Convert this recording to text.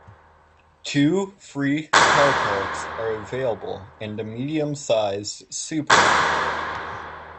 Two free car parks are available and a medium-sized supermarket.